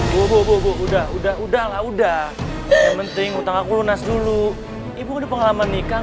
bobo udah udah udah udah udah penting utang aku lunas dulu ibu pengalaman nikah